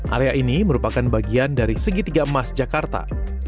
area ini merupakan bagian dari segitiga emas jakarta